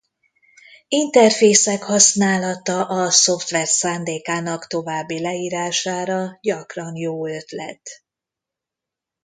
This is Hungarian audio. Interfészek használata a szoftver szándékának további leírására gyakran jó ötlet.